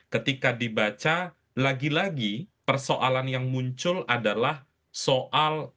ketika dibaca lagi lagi persoalan yang muncul adalah soal kapan seseorang bisa ditetapkan